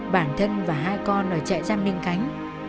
bản thân và hai con ở trại giam ninh cánh